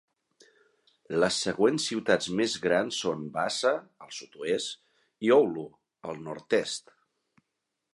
Les següents ciutats més grans són Vaasa, al sud-oest, i Oulu, al nord-est.